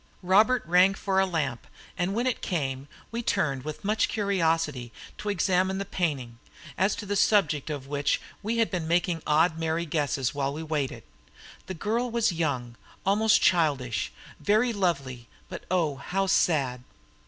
Robert rang for a lamp, and when it came we turned with much curiosity to examine the painting, as to the subject of which we had been making odd merry guesses while we waited. The girl was young, almost childish very lovely, but, oh, how sad!